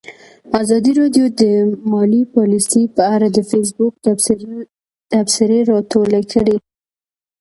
ازادي راډیو د مالي پالیسي په اړه د فیسبوک تبصرې راټولې کړي.